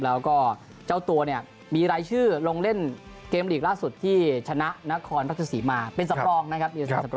แล้วก็เจ้าตัวเนี่ยมีรายชื่อลงเล่นเกมลีกล่าสุดที่ชนะนครราชสีมาเป็นสปรองนะครับ